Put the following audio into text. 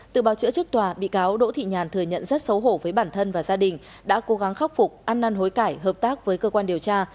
từ báo chữa chức tòa bị cáo đỗ thị nhàn thừa nhận rất xấu hổ với bản thân và gia đình đã cố gắng khắc phục ăn năn hối cải hợp tác với cơ quan điều tra